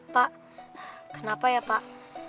pak kenapa ya pak